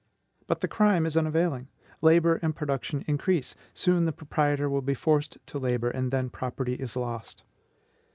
But the crime is unavailing: labor and production increase; soon the proprietor will be forced to labor, and then property is lost.